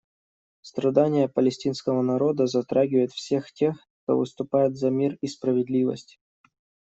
Страдания палестинского народа затрагивают всех тех, кто выступает за мир и справедливость.